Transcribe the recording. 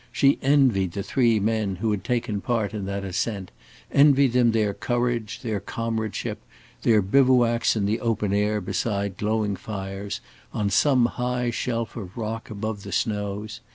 She envied the three men who had taken part in that ascent, envied them their courage, their comradeship, their bivouacs in the open air beside glowing fires, on some high shelf of rock above the snows.